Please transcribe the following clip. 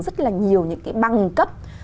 rất là nhiều những cái bằng cấp